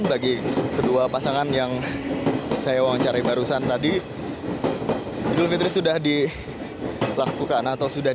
bagi kedua pasangan yang saya wawancari barusan tadi idul fitri sudah dilakukan atau sudah